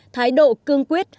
thái độ cương quyết